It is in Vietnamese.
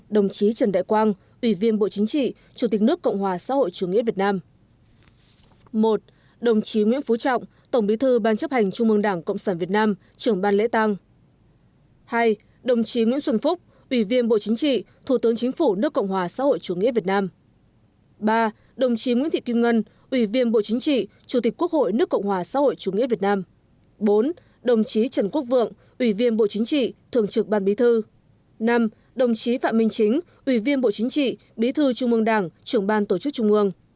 năm đồng chí phạm minh chính ủy viên bộ chính trị bí thư trung ương đảng trưởng ban tổ chức trung ương